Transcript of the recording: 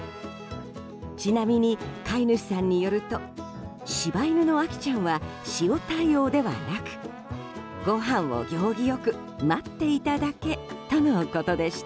ちなみに、飼い主さんによると柴犬のアキちゃんは塩対応ではなくご飯を行儀よく待っていただけとのことでした。